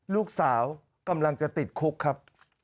ลูกสาวกำลังจะติดคุกครับ